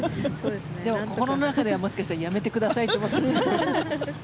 心の中ではもしかしたらやめてくださいって。